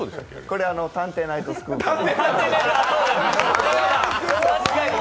これは「探偵ナイトスクープ」の。